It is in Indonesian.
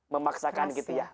memaksakan gitu ya